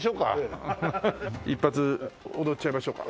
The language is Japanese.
一発踊っちゃいましょうか。